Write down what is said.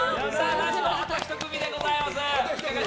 ラスト、あと１組でございます。